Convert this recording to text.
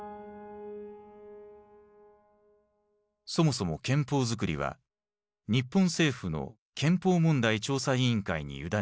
そもそも憲法づくりは日本政府の憲法問題調査委員会に委ねられていた。